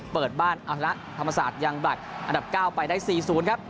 เปิดบ้านเอาชนะธรรมศาสตร์ยังบลัดอันดับ๙ไปได้๔๐ครับ